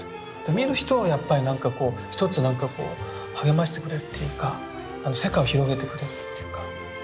見る人をやっぱりなんかこうひとつなんかこう励ましてくれるっていうか世界を広げてくれるっていうか。